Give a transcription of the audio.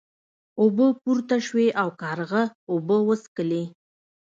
اوبه پورته شوې او کارغه اوبه وڅښلې.